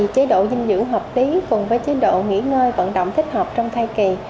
chế độ dinh dưỡng hợp lý cùng với chế độ nghỉ ngơi vận động thích hợp trong thai kỳ